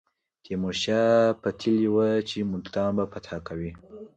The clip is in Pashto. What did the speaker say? تیمور شاه پتېیلې وه چې ملتان به فتح کوي.